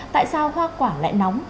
tại sao hoa quả lại nóng